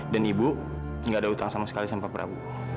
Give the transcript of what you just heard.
dan ibu gak ada utang sama sekali sama pak prabu